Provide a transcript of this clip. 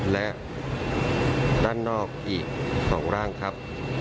และด้านนอกอีก๒ร่างครับ